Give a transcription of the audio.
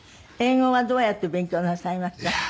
英語はどうやって勉強なさいました？